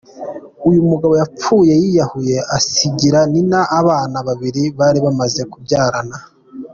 Uyu mugabo yapfuye yiyahuye, asigira Nina abana babiri bari bamaze kubyarana.